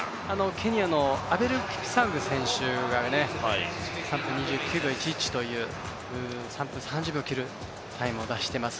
ケニアのアベル・キプサング選手が３分２９秒１１という、３分３０秒を切るペースを出しています。